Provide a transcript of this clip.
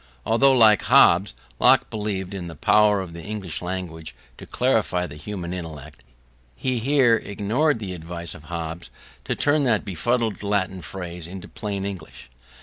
Although, like Hobbes, Locke believed in the power of the English language to clarify the human intellect, he here ignored the advice of Hobbes to turn that befuddling Latin phrase into plain English.